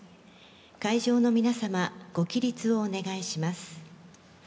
会場の皆様ご起立をお願いいたします。